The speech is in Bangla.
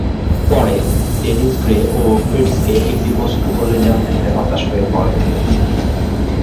পরে, ডেনিস গ্রে ও ফ্রিটস্কে একটা বস্তু বলে জানতে পেরে হতাশ হয়ে পড়ে।